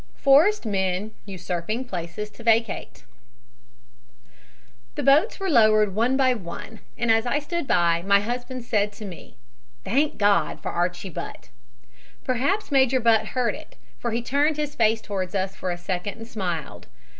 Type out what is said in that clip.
FORCED MEN USURPING PLACES TO VACATE "The boats were lowered one by one, and as I stood by, my husband said to me, 'Thank God, for Archie Butt.' Perhaps Major Butt heard it, for he turned his face towards us for a second and smiled.